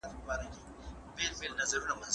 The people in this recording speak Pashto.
له بل وي ورکه د مرګي چاره